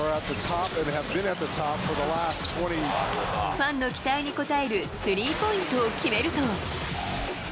ファンの期待に応えるスリーポイントを決めると。